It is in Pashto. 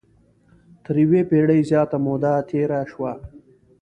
تر یوې پېړۍ زیاته موده تېره شوه.